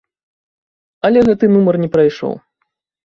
Але гэты нумар не прайшоў.